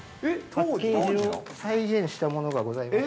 ◆パッケージを再現したものがございます。